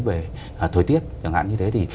về thời tiết chẳng hạn như thế thì